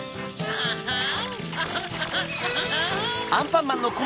アハン！